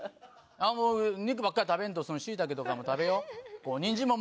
もう、肉ばっかり食べんと、しいたけとかも食べよう。